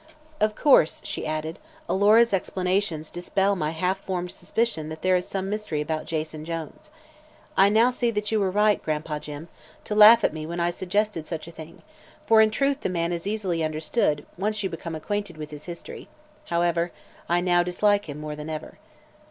"Of course," she added, "Alora's explanations dispel my half formed suspicion that there is some mystery about Jason Jones. I now see that you were right, Gran'pa Jim, to laugh at me when I suggested such a thing, for in truth the man is easily understood once you become acquainted with his history. However, I now dislike him more than ever."